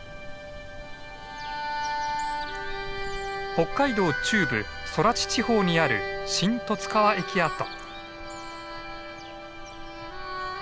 北海道中部空知地方にある新十津川駅跡。